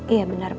iya benar bu